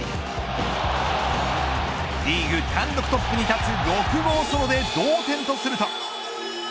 リーグ単独トップに立つ６号ソロで同点とすると。